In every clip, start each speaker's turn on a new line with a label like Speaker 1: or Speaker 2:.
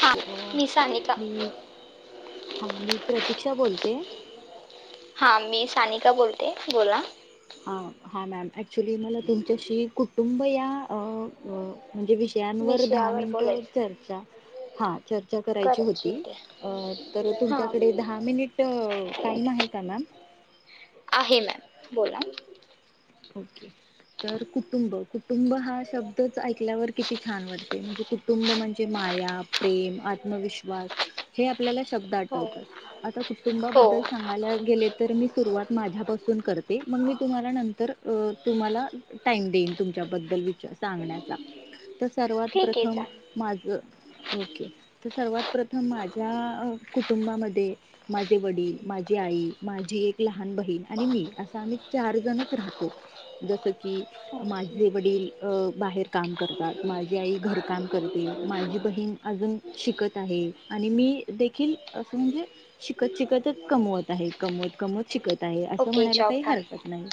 Speaker 1: हां मी सानिका
Speaker 2: मी हा मी प्रतीक क्षा बोलते.
Speaker 1: हा मी सानिका बोलते बोला
Speaker 2: हा हा मॅम ऍक्च्युली मला तुमच्याशी कुटुंब या अ अ म्हणजे विषयांवर दहा
Speaker 1: विषयावर
Speaker 2: मिनिट
Speaker 1: बोलायचं
Speaker 2: चर्चा हा चर्चा करायची होती तर तुमच्याकडे
Speaker 1: हां
Speaker 2: दहा मिनिट टाइम आहे का मॅम
Speaker 1: आहे मॅम बोला.
Speaker 2: ओके तर कुटुंब कुटुंब हा शब्दच ऐकल्यावर किती छान वाटते म्हणजे कुटुंब म्हणजे माया प्रेम आत्मविश्वास हे आपल्याला शब्द
Speaker 1: हो
Speaker 2: आठवतात आता
Speaker 1: हो
Speaker 2: कुटुंबाबद्दल सांगायला गेले तर मी सुरुवात माझ्यापासून करते मग मी तुम्हाला नंतर तुम्हांला टाईम देईन तुमच्याबद्दल विचा सांगण्याचा सर्वात
Speaker 1: ठीक आहे
Speaker 2: प्रथम
Speaker 1: चालेल
Speaker 2: माझं ओके तर सर्वात प्रथम माझ्या कुटुंबामध्ये माझे वडील माझी आई माझी एक लहान बहीण आणि मी असं आम्ही चार जणच राहतो. जस की माझे वडील बाहेर काम करतात माझी आई घर काम करते माझी बहीण अजून शिकत आहे आणि मी देखील असं म्हणजे शिकत शिकतच कमवत आहे कमवत कमवत शिकत नाही असं
Speaker 1: ओके
Speaker 2: म्हणायला
Speaker 1: जॉब
Speaker 2: काही
Speaker 1: पण
Speaker 2: हरकत नाही.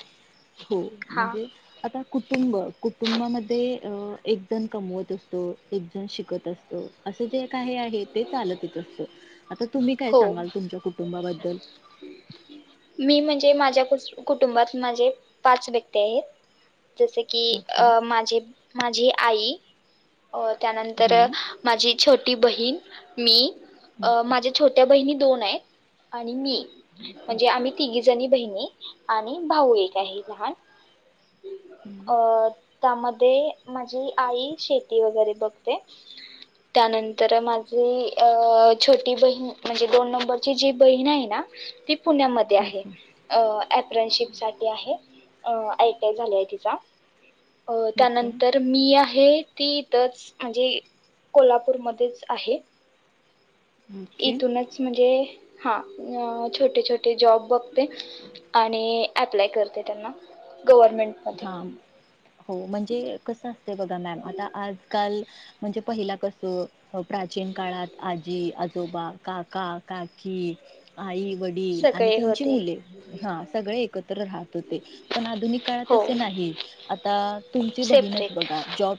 Speaker 2: हो
Speaker 1: हां
Speaker 2: म्हणजे आता कुठ कुटुंब कुटुंबामध्ये अ एक जण कमवत असतो एक जण शिकत असतो असं जे काही आहे ते चालतच असतो. आता तुम्ही काय
Speaker 1: हो
Speaker 2: सांगाल तुमच्या कुटुंबा कुटुंबाबद्दल
Speaker 1: मी म्हणजे माझ्या कुटुंबात माझे पाच व्यक्ती आहेत. जसे की
Speaker 2: ओके
Speaker 1: अ माझी माझी आई अ त्यानंतर
Speaker 2: हम्म
Speaker 1: माझी छोटी ती बहीण मी अ माझ्या छोट्या बहिणी दोन आहेतआणि मी. म्हणजे आम्ही जणी बहिणी आणि भाऊ एक आहे लहान अ त्यामध्ये माझी आई शेती वगैरे बघते त्यानंतर माझी छोटी बहीण म्हणजे दोन नंबरची जी बहीण आहे ना ती पुण्यात ते आहे,
Speaker 2: ओके
Speaker 1: ॲपरानशिप साठी आहे. आयट्या झालाय तिचा अ
Speaker 2: ओके
Speaker 1: त्यानंतर मी आहे. ती इथच म्हणजे कोल्हापूरमध्येच आहे.
Speaker 2: ओके
Speaker 1: इथूनच म्हणजे हा अ छोटे छोटे ते जॉब बघते आणि अप्लाय करते त्यांना. गव्हर्मेंटमध्ये
Speaker 2: हा हो म्हणजे कस असत बघा मॅम आता आजकाल म्हणजे पहिला कसं हो प्राचीन काळात आजी आजो आजोबा, काका, काकी. आई वडील आणि
Speaker 1: सगळे
Speaker 2: त्यांची
Speaker 1: होते
Speaker 2: मुले हा सगळे एकत्र राहत होते पण आधुनिक काळात
Speaker 1: हो
Speaker 2: तसे नाहीआता तुमची बहीणच
Speaker 1: सेपरेट
Speaker 2: बघा जॉब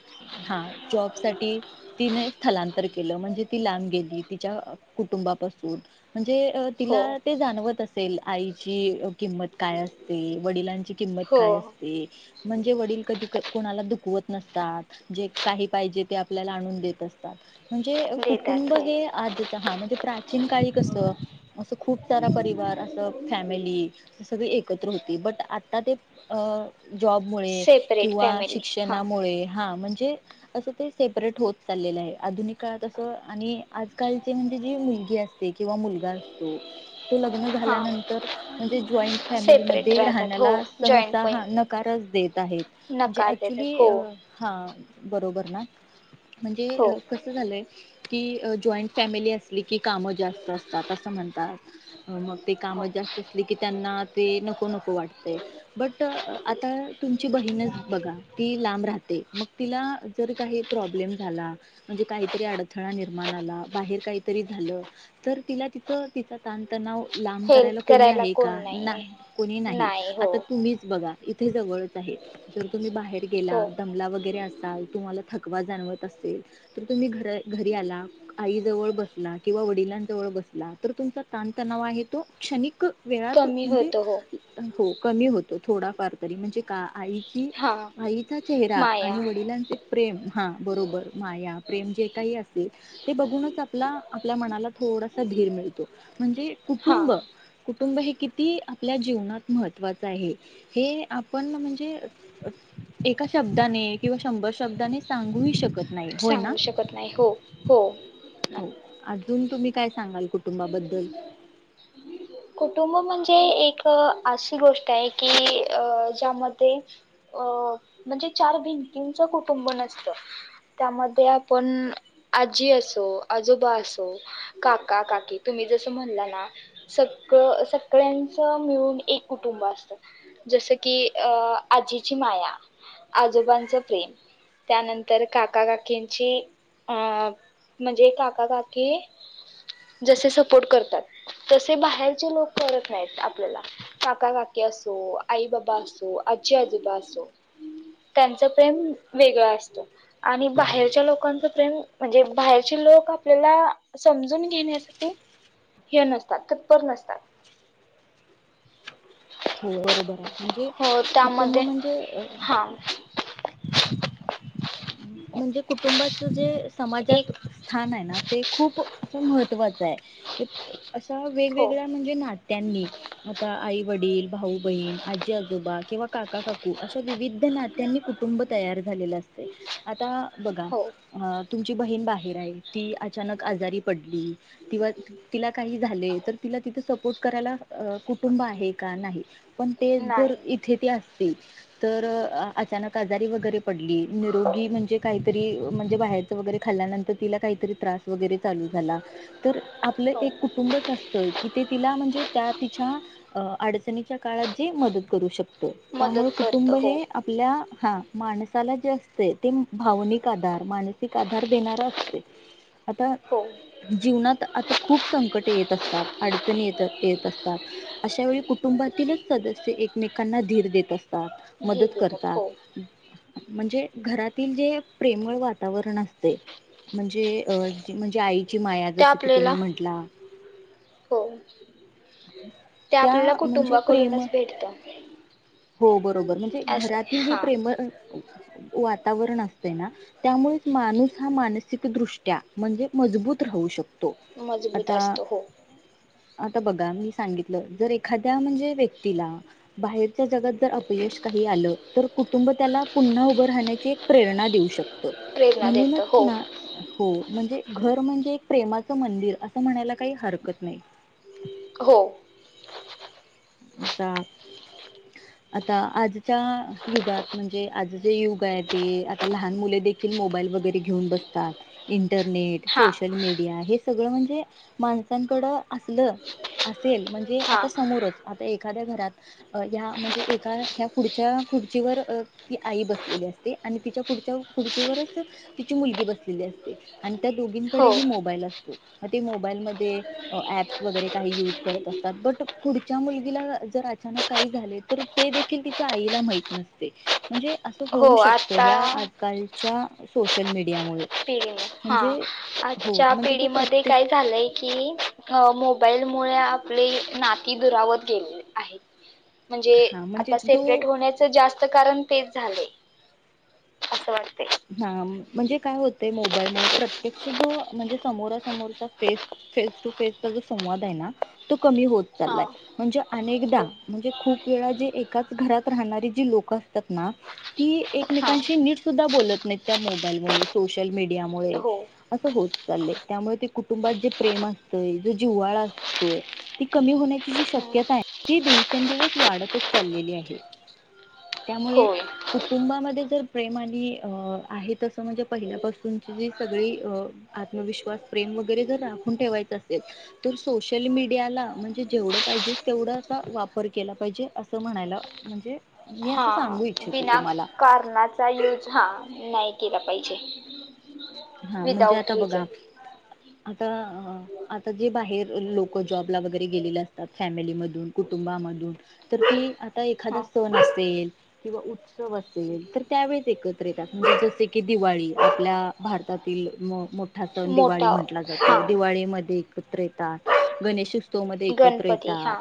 Speaker 2: हा जॉब साठी तिने स्थलांतर केलं म्हणजे ती लांब गेली तिच्या कुटुंबापासून म्हणजे तिला
Speaker 1: हो
Speaker 2: ते जाणवत अस असेल आईची किंमत काय असते? वडिलांची किंमत
Speaker 1: हो
Speaker 2: काय असते? म्हणजे वडील कधी कोणाला दुःख कुवत नसतात जे काही पाहिजे ते आपल्याला आणून देत अस म्हणजे कुटुंब
Speaker 1: देतात हो
Speaker 2: हे आज हा म्हणजे प्राचीन काळी कस असं खूप सारा परिवार असं फॅमिली सगळे एक [unintelligible] बट आता ते अ जॉबमुळे
Speaker 1: सेपरेट
Speaker 2: किंवा
Speaker 1: फॅमिली हां
Speaker 2: शिक्षणामुळे हा म्हण अस ते सेपरेट होत चाललं आहे आधुनिक काळात अस आणि आजकालचे म्हणजे जी मुलगी असते किंवा मुलगा असतो ते लग्न
Speaker 1: हां
Speaker 2: झाल्यानंतर म्हणजे जाॅईंट फॅमिली
Speaker 1: सेपरेट
Speaker 2: मध्ये
Speaker 1: राहतात हो
Speaker 2: राहण्याला
Speaker 1: जॉईंट
Speaker 2: सहसा
Speaker 1: पण
Speaker 2: हा न नकार देत आहेत जे
Speaker 1: नकार देतात
Speaker 2: ऍक्च्युली
Speaker 1: हो
Speaker 2: [unintelligible] बरोबर [unintelligible]
Speaker 1: हो
Speaker 2: म्हणजे कस झालय? की जॉईंट फॅमिली असली की कामं जास्त असतात असं म्हणतात मग ते
Speaker 1: हो
Speaker 2: कामं जास्त असले की त्यांना ते नको नको वाटते बट अ आता तुमची बहीणच बघा ती लांब राहते मग तिला जर आता तुमची बहीणच बघा ती लांब राहते मग तिला काही प्रॉब्लेम झाला म्हणजे काहीतरी अडथळा निर्माण आला बाहेर काहीतरी झालं तर तिला तिथं तिचा ताणतणाव लांब करायला
Speaker 1: हेल्प
Speaker 2: कोणी आहे का?
Speaker 1: कोण नाही
Speaker 2: ना कोणी
Speaker 1: आहे
Speaker 2: नाही?
Speaker 1: हो
Speaker 2: आता तुम्हीच बघा इथे जवळ जर तुम्ही बाहेर
Speaker 1: हो
Speaker 2: गेला दमला वगैरे असाल तुम्हाला थकवा जाणवत असेल तर तुम्ही घर घरी आला आई जवळ बसला किंवा वडिलांजवळ बसला तर तुमचा ताणतणाव आहे तो क्षणिक वेळात
Speaker 1: कमी
Speaker 2: म्हणजे
Speaker 1: होतं हो
Speaker 2: हो कमी होतो थोडा वारकरी म्हणजे का आई ती
Speaker 1: हां
Speaker 2: आईचा चेहरा
Speaker 1: माया
Speaker 2: आणि वडिलांचे प्रेम हा बरोबर माया प्रेम जे काही असेल ते बघूनच आपला आपल्या मनाला थोडंसं थोडा धीर मिळतो म्हणजे
Speaker 1: हां
Speaker 2: कुटुंब कु कुटुंब हे किती आपल्या जीवनात महत्त्वाचं आहे हे आपण म्हणजे एका शब्दाने किंवा शंभर शब्दाने सांगूही शकत नाही
Speaker 1: [inaudible]
Speaker 2: होय ना?
Speaker 1: सांगू शकत नाही हो हो
Speaker 2: हो अजून तुम्ही काय सांगाल कुटुंबाबद्दल?
Speaker 1: कुटुंब म्हणजे ते एक अशी गोष्ट आहे की अ ज्यामध्ये अ म्हणजे चार भिंतींच कुटुंब नसत, त्यामध्ये आपण आजी असो, आजोबा असो काका तुम्ही जसं म्हणलं ना सगळं सगळ्यांच मिळून एक कुटुंब असत जसं की अ आजीची माया, आजोबांचं प्रेम, त्यानंतर काकाकाकींची अं म्हणजे काकाकाकी जस सपोर्ट करतात तसे बाहेरचे लोक करत नाहीत आपल्याला काका-काकी असो आई- बाबा असो आजी-आजोबा असो त्यांचं प्रेम वेगळं असतं आणि बाहेरच्या लोकांच प्रेम म्हणजे बाहेरचे लोक आपल्याला समजून घेण्यासाठी ते हे नसतात तत्पर नसतात
Speaker 2: हो बरोबर आहे म्हणजे
Speaker 1: हो
Speaker 2: कुटुंब
Speaker 1: त्यामध्ये
Speaker 2: म्हणजे अ
Speaker 1: हा
Speaker 2: म्हणजे कुटुंबाच जे समाजात
Speaker 1: एक
Speaker 2: स्थान आहे ना ते खूप असं महत्त्वाचं आहे असा
Speaker 1: हो
Speaker 2: वेगवेगळ्या म्हणजे नात्यांनी आता आई-वडील, भाऊ- बहीण, आजी -आजोबा किंवा काका काकू अशा विविध नात्यांनी कुटुंब तयार झालेला असत. आता बघा
Speaker 1: हो
Speaker 2: [unintelligible] तुमची बहीण बाहेर आहे ती अचानक आजारी पडली, अ कुटुंब आहे का नाही पण तेच जर
Speaker 1: नाही
Speaker 2: इथे ती असती तर अचानक आजारी व [unintelligible] पडली निरोगी म्हणजे काहीतरी म्हणजे बाहेरच वगैरे खाल्ल्यानंतर तिला काहीतरी त्रास वगैरे चालू झाला, तर आपलं
Speaker 1: हो
Speaker 2: एक कुटुंबच असतंय कि ते तिला म्हणजे त्या तिच्या अडचणीच्या काळात जे मदत करू शकत त्यामुळे
Speaker 1: मदत करत
Speaker 2: कुटुंब
Speaker 1: हो
Speaker 2: हे आपल्या हा माणसाला जास्त ते भावनिक आधार मानसिक आधार देणारा ते आता
Speaker 1: हो
Speaker 2: जीवनात आता खूप संकट येत असतात अडचणी येत येत असतात अशा वेळी कुटुंबातीलच सदस्य एकमेकांना धीर देत असतात
Speaker 1: घे
Speaker 2: मदत
Speaker 1: देतात हो
Speaker 2: करतात म्हणजे घरातील जे प्रेमळ वातावरण असतय म्हणजे अ म्हणजे आई माया
Speaker 1: ते
Speaker 2: जसकी तुम्ही
Speaker 1: आपल्याला
Speaker 2: म्हटला
Speaker 1: हो ते
Speaker 2: त्या
Speaker 1: आपल्याला
Speaker 2: म्हणजे प्रेमळ
Speaker 1: कुटुंबाकडूनच भेटतं
Speaker 2: हो बरोबर म्हणजे
Speaker 1: असं
Speaker 2: घरातील जी
Speaker 1: हा
Speaker 2: प्रेमळ असते. वातावरण असतय ना त्यामुळे माणूस हा मानसिकदृष्ट्या म्हणजे मजबूत राहू शकतो
Speaker 1: मजबूत
Speaker 2: आता
Speaker 1: असतो हो-
Speaker 2: आता बघा मी सांगितलं जर एखाद त्या म्हणजे व्यक्तीला बाहेरच्या जगात जर अपयश काही आलं, तर कुटुंब त्याला पुन्हा उभ उभं राहण्याची एक प्रेरणा देऊ शकतो.
Speaker 1: प्रेरणा देत
Speaker 2: म्हणूनच
Speaker 1: हो
Speaker 2: ना हो म्हणजे घर म्हणजे प्रेमाचं मंदिर असं म्हणायला काही हरकत नाही.
Speaker 1: हो
Speaker 2: आता, आता आजच्या युगात म्हणजे आज जे युग आहे ते आता लहान मुले देखील मोबाईल वगैरे घेऊन बसतात इन इंटरनेट
Speaker 1: हा
Speaker 2: सोशल मीडिया हे सगळं म्हणजे माणसांकडं असलं अस, तेल म्हणजे
Speaker 1: हा
Speaker 2: आता समोरच एखाद्या घरात हया म्हणजे एका ह्या पुढच्या खुर्चीवर ती आई बसलेली असते आणि तिच्या पुढच्या खुर्चीवरच तिची मुलगी बसलेली असते. त्या
Speaker 1: हो
Speaker 2: दोघींकडेही मोबाईल असतो. ते मोबाईल मध्ये ॲप्स वगैरे काही युज करत असतात बट त्या मुलगीला जर अचानक काही झाले तर ते देखील तिच्या आईला माहित नसते. म्हणजे असं होऊ
Speaker 1: हो
Speaker 2: शकत
Speaker 1: आता
Speaker 2: ह्या आजकालच्या सोशल मडिया
Speaker 1: पिढी हा
Speaker 2: हो
Speaker 1: आजच्या
Speaker 2: म्हणजे तो
Speaker 1: पिढीमध्ये
Speaker 2: प्रत्येक
Speaker 1: काय झालंय की अ मोबाईल मोबाईल मुळे आपली नाती दुरावत गेलेली आहेत. म्हणजे
Speaker 2: हा म्हणजे
Speaker 1: आता
Speaker 2: जो
Speaker 1: सेपरेट होण्याचं जास्त कारण तेच झालय असं वाटत.
Speaker 2: हा म्हणजे काय होतय मोबाईलमुळे प्रत्यक्ष जो म्हणजे, समोरा समोरचा फेस फेस टू फेसचा जो संवाद आहे ना तो कमी होत
Speaker 1: हा
Speaker 2: चालयाय म्हणजे अनेकदा
Speaker 1: हो
Speaker 2: म्हणजे खूप वेळा जे एकाच घरात राहणारी जी लोक असतात ना ती
Speaker 1: हा
Speaker 2: एकमेकांशी नीट सुद्धा बोलत. त्या मोबाईलमुळे सोशल मीडियामुळे
Speaker 1: हो
Speaker 2: असं होत चाललंय त्यामुळे ते कुटुंबात जे प्रेम असतय जो जिव्हाळा असतोय ती कमी होण्याची जी
Speaker 1: हम्म.
Speaker 2: शक्यता आहे. ती दिवसेंदिवस वाढतच चाललेली आहे त्यामुळे
Speaker 1: होय
Speaker 2: कुटुंबामध्ये जर प्रेम आणि अ आहे तसं म्हणजे पहिल्यापासूनची जी सगळी आत्मविश्वास प्रेम वगैरे जर राखून ठेवायचं असेल तर सोशल मीडियाला म्हणजे जेवढं पाहिजे, तेवढा असा वापर केला पाहिजे असं म्हणायला म्हणजे, मी
Speaker 1: हा
Speaker 2: असं सांगू इच्छिते
Speaker 1: बिना
Speaker 2: तुम्हाला
Speaker 1: कारणाचा यूज हा नाही केला पाहिजे.
Speaker 2: हा, म्हणजे
Speaker 1: विदाउट
Speaker 2: आता बघा
Speaker 1: रिझन
Speaker 2: आता आता जे बाहेर लोक जॉबला वगैरे गेलेले असतात, फॅमिलीमधून कुटुंबामधून तर ते
Speaker 1: हा
Speaker 2: एखादा सण असेल किंवा उत्सव असेल तर त्यावेेळेस एकत्र येतात, म्हणजे जसे की दिवाळी आपल्या भारतातील मोठ हा सण दिवाळी
Speaker 1: मोठा
Speaker 2: म्हटला
Speaker 1: हा
Speaker 2: जातो दिवाळीमध्ये पुत्र येतात गणेश उत्सव, [unintelligible] मध्ये एकत्र
Speaker 1: गणपती हा
Speaker 2: येतात,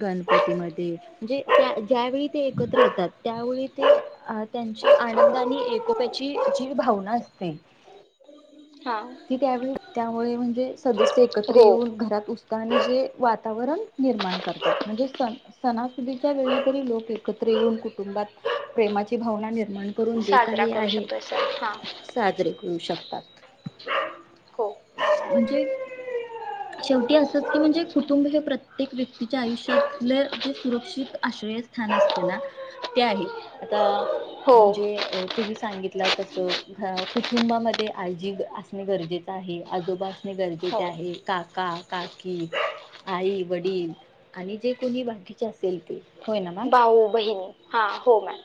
Speaker 2: गण म्ध्ये जी ज्यावेळी ते एकत्र होतात त्यावेळी ते अ त्यांची आनंद आणि एकोप्याचीजी भावना असते. तेथ
Speaker 1: हा
Speaker 2: कि, त्यावेळी त्यामुळे म्हणजे सदस्य एकत्र
Speaker 1: हो
Speaker 2: येऊन घरात जे वातावरण निर्माण करतात. म्हणजे सण सणासुदीच्या वेळी जरी लोक एकत्र येऊन कुटुंबात प्रेमाची भावना निर्माण करून जे
Speaker 1: साजरा
Speaker 2: काही
Speaker 1: करू
Speaker 2: आहे,
Speaker 1: शकतोय सण हा
Speaker 2: साजरे करू शकता. तात
Speaker 1: हो
Speaker 2: म्हणजे शेवटी अस की म्हणजे कुटुंब हे प्रत्येक व्यक्तीच्या आयुष्यातले जे सुरक्षित आश्रय स्थान असते ना ते आहे आता
Speaker 1: हो
Speaker 2: म्हणजे तुम्ही सांगितला तस कुटुंबामध्ये आजी असणे गरजेचें आहे, आजोबा असणे गरजेचे
Speaker 1: हो
Speaker 2: आहे काका काकी आई वडील आणि जे कोणी बाकीचे असेल ते होय ना मॅम
Speaker 1: भाऊ- बहिणी हा हो मॅम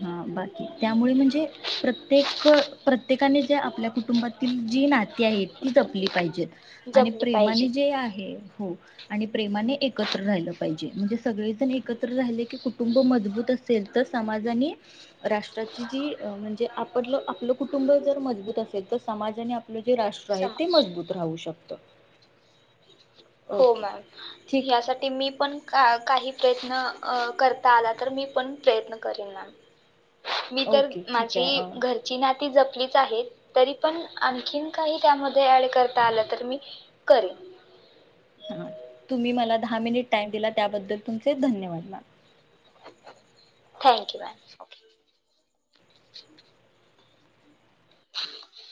Speaker 2: हा बाकी त्यामुळे म्हणजे प्रत्येक प्रत्येकाने जे आपल्या कुटुंबात जी नाती आहेत ती जपली पाहिजेत. आणि
Speaker 1: जपली
Speaker 2: प्रेमाने
Speaker 1: पाहिजे
Speaker 2: जे आहे, हो आणि प्रेमाने एकत्र राहिलं पाहिजे म्हणजे सगळेजण एकत्र राहिले की कुटुंब मजबूत असेल तर समाजाने राष्ट्राची जी म्हणजे आप आपलं कुटुंब जर मजबूत असेल तर समाजाने आपलं जे राष्ट्र आहे ते
Speaker 1: समाज
Speaker 2: मजबूत राहू शकत.
Speaker 1: हो मॅम यासाठी मी पण का काही प्रयत्न करता आला तर मी पण प्रयत्न करीन मॅ मी तर
Speaker 2: ओके ठीक
Speaker 1: माझी
Speaker 2: आहे
Speaker 1: घरची नाती ती जपलीच आहेत तरी पण आणखीन काही त्यामध्ये ऍड करता आलं तर मी करेन,
Speaker 2: हा तुम्ही मला दहा मिनिट टाइम दिला, त्याबद्दल तुमचे धन्यवाद ma'am
Speaker 1: thank you ma'am, okay [inaudible]